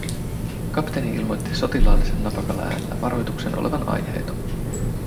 Kapteeni ilmoitti sotilaallisen napakalla äänellä varoituksen olevan aiheeton.